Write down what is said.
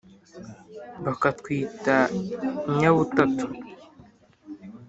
Bakatwita inyabutatu